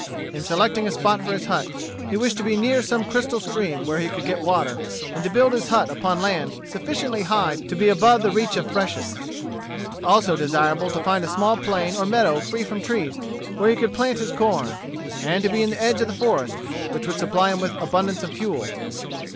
In selecting a spot for his hut, he wished to be near some crystal stream where he could get water, and to build his hut upon land sufficiently high to be above the reach of freshets. It was also desirable to find a small plain or meadow free from trees, where he could plant his corn; and to be in the edge of the forest, which would supply him with abundance of fuel.